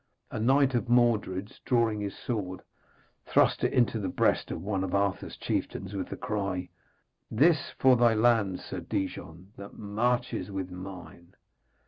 A knight of Mordred's, drawing his sword, thrust it into the breast of one of Arthur's chieftains, with the cry: 'This for thy land, Sir Digon, that marches with mine!'